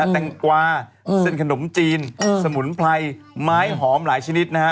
แตงกวาเส้นขนมจีนสมุนไพรไม้หอมหลายชนิดนะฮะ